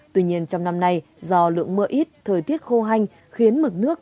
tuy nhiên trong năm nay do lượng mưa ít thời tiết khô hanh khiến mực nước